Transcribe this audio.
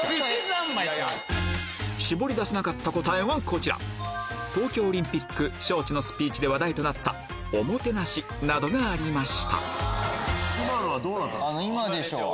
絞り出せなかった答えはこちら東京オリンピック招致のスピーチで話題となった「お・も・て・な・し」などがありました